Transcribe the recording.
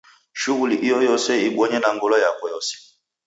Shughuli iyoyose ibonye na ngolo yako yose.